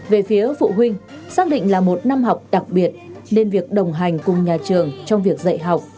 về phía phụ huynh xác định là một năm học đặc biệt nên việc đồng hành cùng nhà trường trong việc dạy học